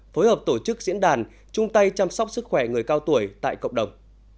phối hợp tổ chức diễn đàn trung tây chăm sóc sức khỏe người cao tuổi tại cộng đồng